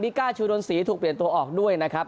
ก้าชูดนศรีถูกเปลี่ยนตัวออกด้วยนะครับ